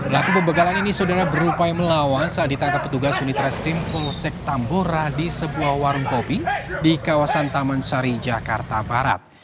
laku pembegalan ini saudara berupaya melawan saat ditangkap petugas unit reskrim polosek tambora di sebuah warung kopi di kawasan taman sari jakarta barat